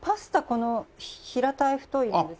この平たい太いのですよね？